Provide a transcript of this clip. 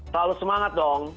selalu semangat dong